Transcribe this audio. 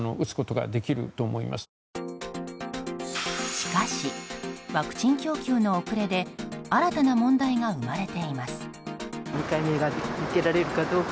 しかし、ワクチン供給の遅れで新たな問題が生まれています。